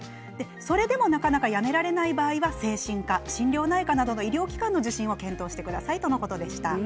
それでもなかなかやめられない場合には精神科心療内科などの医療機関への受診も検討してください